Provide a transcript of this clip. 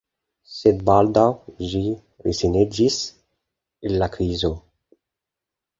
Sed baldaŭ ĝi resaniĝis el la krizo.